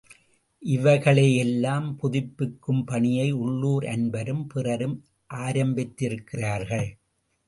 இவைகளையெல்லாம் புதுப்பிக்கும் பணியை உள்ளூர் அன்பரும் பிறரும் ஆரம்பித்திருக்கிறார்கள்.